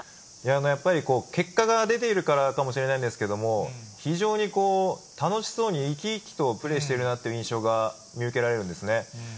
やっぱり結果が出ているからかもしれないんですけれども、非常にこう、楽しそうに生き生きとプレーしてるなという印象が見受けられるんですね。